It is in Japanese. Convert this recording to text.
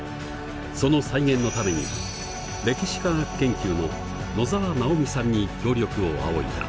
その再現のために歴史科学研究の野澤直美さんに協力を仰いだ。